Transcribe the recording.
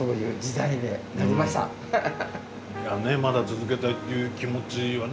いやねまだ続けたいっていう気持ちはね